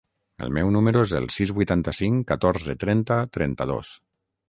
El meu número es el sis, vuitanta-cinc, catorze, trenta, trenta-dos.